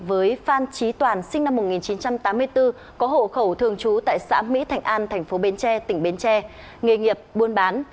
với phan trí toàn sinh năm một nghìn chín trăm tám mươi bốn có hộ khẩu thường trú tại xã mỹ thạnh an tp bến tre tỉnh bến tre nghề nghiệp buôn bán